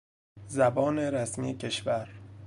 زبان رسمی کشور